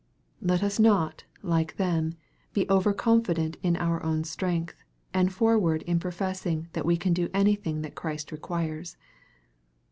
Let us not, like them, be over confident in our own strength, and forward in professing that we can do any thing that Christ requires.